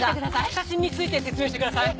写真について説明してください！